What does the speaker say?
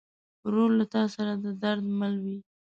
ورور له تا سره د درد مل وي.